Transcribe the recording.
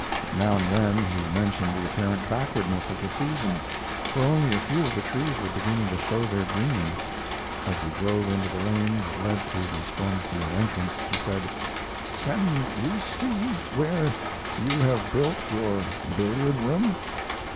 Now and then he mentioned the apparent backwardness of the season, for only a few of the trees were beginning to show their green. As we drove into the lane that led to the Stormfield entrance, he said: "Can we see where you have built your billiard room?"